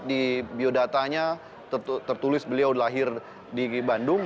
di biodatanya tertulis beliau lahir di bandung